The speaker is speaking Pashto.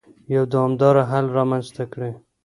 يو دوامدار حل رامنځته کړي.